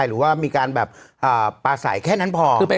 หรือว่ามีการแบบปลาใสแค่นั้นพอ